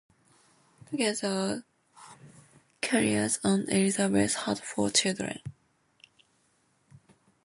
Together, Charles and Elizabeth had four children.